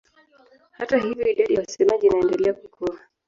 Hata hivyo idadi ya wasemaji inaendelea kukua.